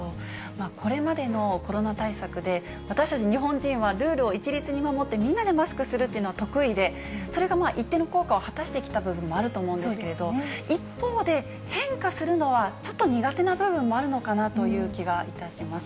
これまでのコロナ対策で、私たち日本人はルールを一律に守って、みんなでマスクをするというのが得意で、それが一定の効果を果たしてきた部分もあると思うんですけど、一方で変化するのはちょっと苦手な部分もあるのかなという気がいたします。